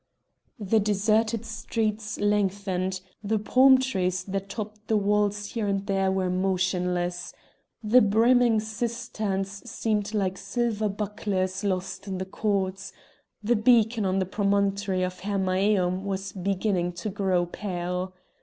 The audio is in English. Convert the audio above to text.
The deserted streets lengthened; the palm trees that topped the walls here and there were motionless; the brimming cisterns seemed like silver bucklers lost in the courts; the beacon on the promontory of Hermæum was beginning to grow pale.